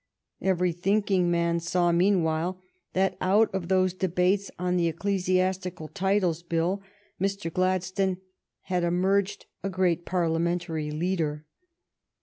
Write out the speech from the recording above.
Every thinking man saw, meanwhile, that out of those debates on the Eccle siastical Titles Bill Mr. Gladstone had emerged a great Parliamentary leader.